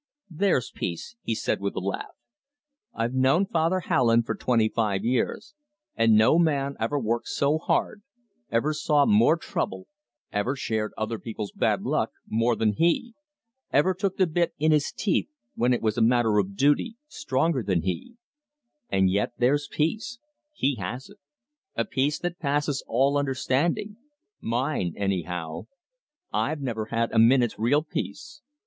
"There's peace," he said with a laugh. "I've known Father Hallon for twenty five years, and no man ever worked so hard, ever saw more trouble, ever shared other people's bad luck mere than he; ever took the bit in his teeth, when it was a matter of duty, stronger than he; and yet there's peace; he has it; a peace that passes all understanding mine anyhow. I've never had a minute's real peace.